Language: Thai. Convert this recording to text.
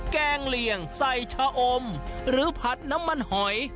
แกงเหลี่ยงใส่ชะอมหรือผัดน้ำมันหอย